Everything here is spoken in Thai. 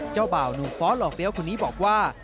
เจ้าบ่าวหนูฟ้อหลอกเตี๊ยวคุณนี้บอกว่า